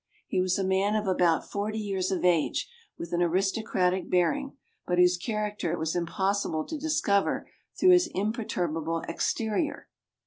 He was a man of about forty years of age, with an aristocratic bearing, but whose character it was impossible to discover through his imperturbable exterior.